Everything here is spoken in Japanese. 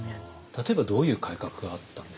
例えばどういう改革があったんですか？